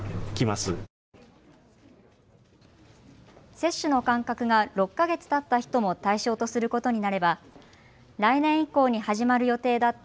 接種の間隔が６か月たった人も対象とすることになれば来年以降に始まる予定だった